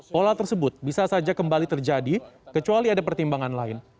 pola tersebut bisa saja kembali terjadi kecuali ada pertimbangan lain